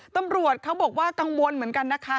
ตำรวจเขาบอกว่ากังวลเหมือนกันนะคะ